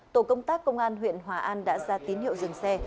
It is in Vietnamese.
tổ công tác công an huyện hòa an đã ra tín hiệu dừng xe